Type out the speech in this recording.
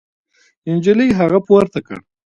نجلۍ هغه پورته کړ.